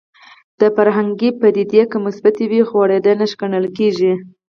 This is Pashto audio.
دا فرهنګي پدیدې که مثبتې وي غوړېدا نښه ګڼل کېږي